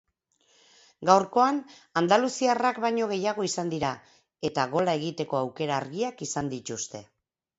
Gaurkoan andaluziarrak baino gehiago izan dira eta gola egiteko aukera argiak izan dituzte.